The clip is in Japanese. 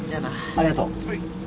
ありがとう。ほい。